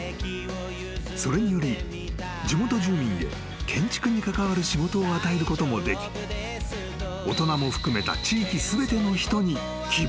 ［それにより地元住民へ建築に関わる仕事を与えることもでき大人も含めた］